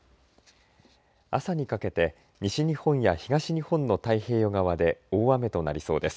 朝にかけて西日本や東日本の太平洋側で大雨となりそうです。